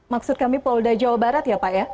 maksud kami polda jawa barat ya pak ya